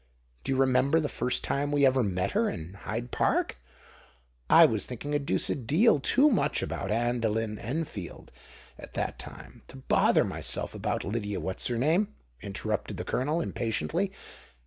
"Do you remember the first time we ever met her—in Hyde Park——" "I was thinking a deuced deal too much about Adeline Enfield, at that time, to bother myself about Lydia What 's her name," interrupted the colonel, impatiently.